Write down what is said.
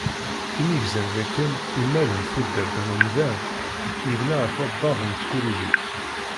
Imi gzan dakken imal n tudert n umdan yebna ɣef waddad n tkulugit.